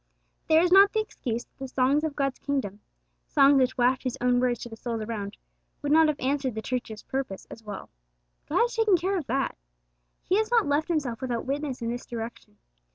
There is not the excuse that the songs of God's kingdom, songs which waft His own words to the souls around, would not have answered the teacher's purpose as well. God has taken care of that. He has not left Himself without witness in this direction.